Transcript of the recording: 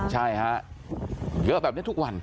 ใช่ฮะเยอะแบบนี้ทุกวัน